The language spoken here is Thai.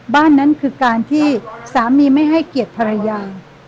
บ้านนั้นคือการที่สามีไม่ให้เกียรติภรรยา